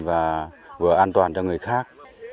và vừa là an toàn cho người khác